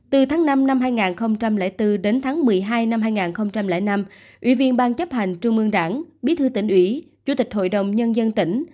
từ tháng năm năm hai nghìn bốn đến tháng một mươi hai năm hai nghìn năm ủy viên ban chấp hành trung ương đảng bí thư tỉnh ủy chủ tịch hội đồng nhân dân tỉnh